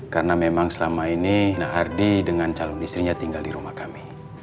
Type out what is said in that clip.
karena memang selama ini nahardi dengan calon istrinya tinggal di rumah kami